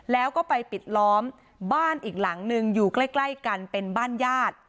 แล้วก็ไปปิดล้อมบ้านอีกหลังนึงอยู่ใกล้กันเป็นบ้านญาติ